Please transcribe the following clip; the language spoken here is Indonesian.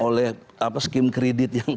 oleh skim kredit yang